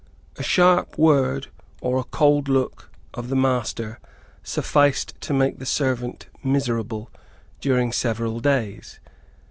A sharp word or a cold look of the master sufficed to make the servant miserable during several days.